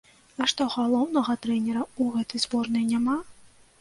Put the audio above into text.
А што галоўнага трэнера ў гэтай зборнай няма?